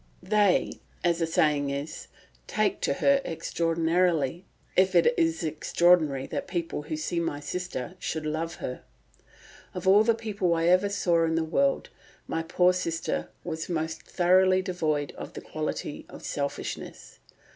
"They, as the saying is, take to her extraordinarily, if it is extraordinary that people who see my sister should love her. Of all the people I ever saw in the world, my poor sister was most thoroughly devoid of the quality of selfishness.